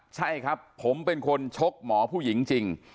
ใช่ครับผมเป็นคนชกหมอผู้หญิงจริง